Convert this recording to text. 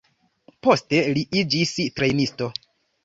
Poste li iĝis trejnisto.